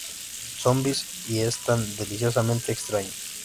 Zombies, y es tan deliciosamente extraño.